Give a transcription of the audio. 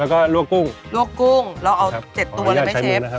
แล้วก็ลวกกุ้งเราเอา๗ตัวเลยไหมเชฟอันนี้จะใช้เนื้อนะครับ